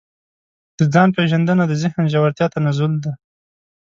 د ځان پېژندنه د ذهن ژورتیا ته نزول دی.